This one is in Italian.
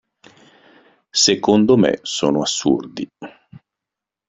Secondo me sono assurdi.